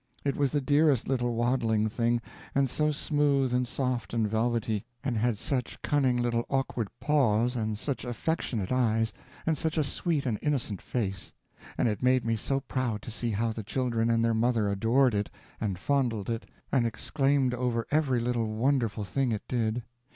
It was the dearest little waddling thing, and so smooth and soft and velvety, and had such cunning little awkward paws, and such affectionate eyes, and such a sweet and innocent face; and it made me so proud to see how the children and their mother adored it, and fondled it, and exclaimed over every little wonderful thing it did.